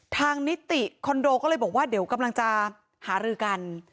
นิติคอนโดก็เลยบอกว่าเดี๋ยวกำลังจะหารือกัน